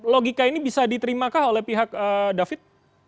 logika ini bisa diterimakah oleh pihak david